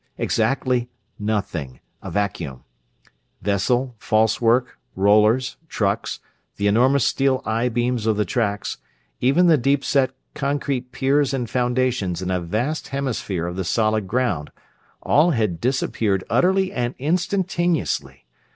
Exactly nothing a vacuum. Vessel, falsework, rollers, trucks, the enormous steel I beams of the tracks, even the deep set concrete piers and foundations and a vast hemisphere of the solid ground; all had disappeared utterly and instantaneously.